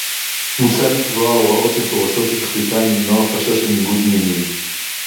מוצע לקבוע הוראות מפורשות שתכליתן למנוע חשש לניגוד עניינים